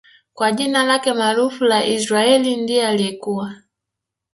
kwa jina lake maarufu la Israaiyl ndiye aliyekuwa